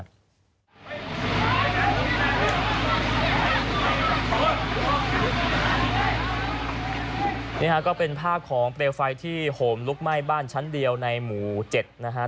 นี่ฮะก็เป็นภาพของเปลวไฟที่โหมลุกไหม้บ้านชั้นเดียวในหมู่๗นะฮะ